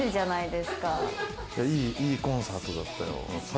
いいコンサートだったよ。